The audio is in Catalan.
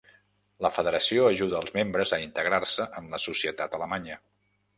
La Federació ajuda als membres a integrar-se en la societat alemanya.